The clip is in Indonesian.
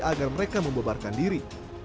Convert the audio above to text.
agar mereka membebarkan diri